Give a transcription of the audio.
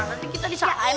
nanti kita disalahin